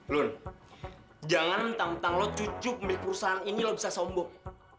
lun jangan mentang mentang lo cucu pemilik perusahaan ini lo bisa sombong